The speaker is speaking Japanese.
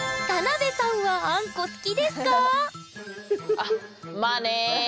あっまあね。